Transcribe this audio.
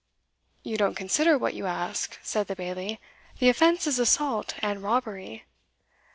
"You don't consider what you ask," said the Bailie; "the offence is assault and robbery."